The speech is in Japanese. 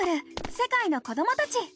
世界の子どもたち」。